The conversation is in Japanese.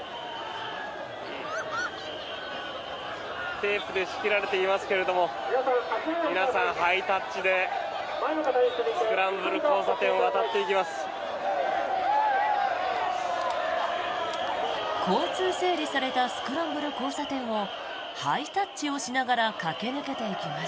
テープで仕切られていますけども皆さん、ハイタッチでスクランブル交差点を渡っていきます。